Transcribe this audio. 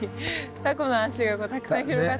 タコの足がたくさん広がってる。